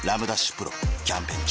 丕劭蓮キャンペーン中